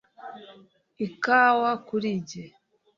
ikawa kuri njye